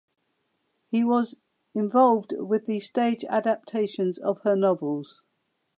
He was involved with the stage adaptations of her novels.